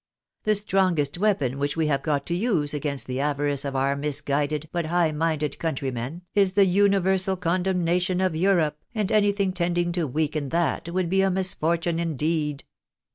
The strongest weapon which we have got to use against the avarice of our misguided, but high minded countrymen, is the universal condemnation of Europe, and anything tending to weaken that would be a misfortune indeed."